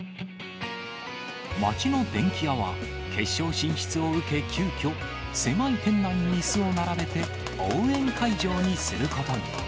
町の電気屋は、決勝進出を受け、急きょ、狭い店内にいすを並べて、応援会場にすることに。